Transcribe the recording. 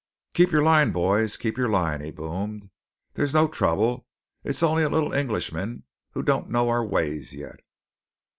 "Keep your line, boys! Keep your line!" he boomed. "There's no trouble! It's only a little Englishman who don't know our ways yet."